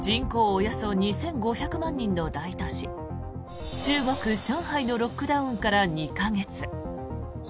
およそ２５００万人の大都市、中国・上海のロックダウンから２か月。